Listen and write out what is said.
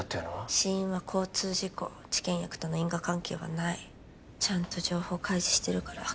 死因は交通事故治験薬との因果関係はないちゃんと情報開示してるから気になるならそれを見て